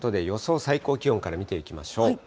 最高気温から見ていきましょう。